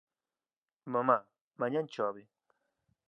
Mamá, mañán chove?